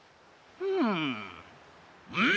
うんうん！